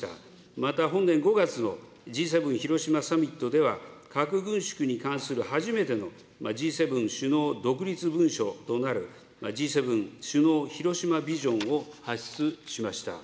また、本年５月のＧ７広島サミットでは、核軍縮に関する初めてのＧ７首脳独立文書となるＧ７首脳広島ビジョンを発出しました。